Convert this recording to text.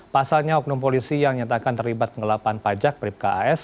pasalnya oknum polisi yang nyatakan terlibat pengelapan pajak bribka as